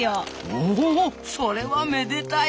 おほほそれはめでたい！